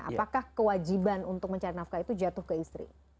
apakah kewajiban untuk mencari nafkah itu jatuh ke istri